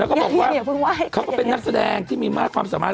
แล้วก็บอกว่าเขาก็เป็นนักแสดงที่มีมากความสามารถ